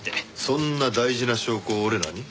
そんな大事な証拠を俺らに？